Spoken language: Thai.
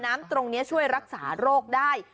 มาช่วยรักษาโรคได้